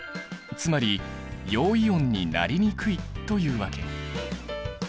つまり陽イオンになりにくいというわけ。